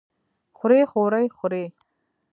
خوري خورۍ خورې؟